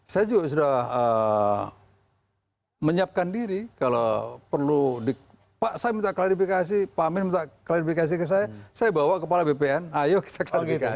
saya juga sudah menyiapkan diri kalau perlu di pak saya minta klarifikasi pak amin minta klarifikasi ke saya saya bawa kepala bpn ayo kita klarifikasi